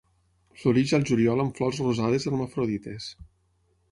Floreix al juliol amb flors rosades hermafrodites.